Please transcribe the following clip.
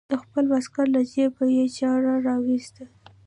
د خپل واسکټ له جيبه يې چاړه راوايسته.